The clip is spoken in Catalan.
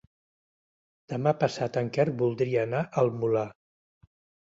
Demà passat en Quer voldria anar al Molar.